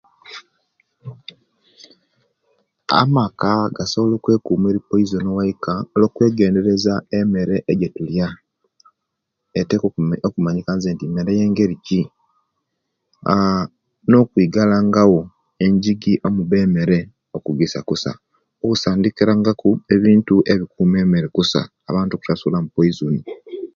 Amaka gasobola okwekuma eri poison eika olwekwegenderezia emere ejetulya eteka okumanyika nzeti imere yengeri ki aah nokwigalanga wo enjigi omuba emere okugisa kusa okusandikiranga ku ebintu ebigisa emere kusa abantu obutasulamu poison